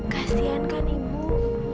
kasian kan ibu